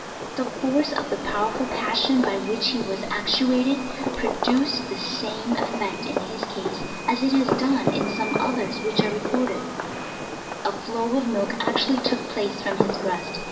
The force of the powerful passion by which he was actuated, produced the same ef fect in his case, as it has done in some others which are re corded; a flow of milk actually took place from his breast.